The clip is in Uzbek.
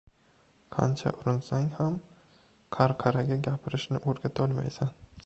• Qancha urinsang ham qarqaraga gapirishni o‘rgatolmaysan.